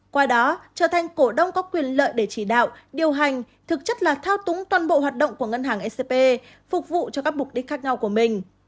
qua đó trở thành cổ đông có quyền lợi để chỉ đạo điều hành thực chất là thao túng toàn bộ hoạt động của ngân hàng ecp phục vụ cho các mục đích khác nhau của mình